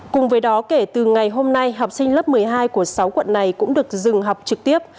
cùng với đó kể từ ngày hôm nay học sinh lớp một mươi hai của sáu quận này cũng được dừng học trực tiếp